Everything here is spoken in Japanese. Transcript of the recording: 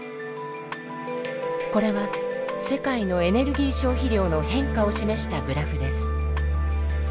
これは世界のエネルギー消費量の変化を示したグラフです。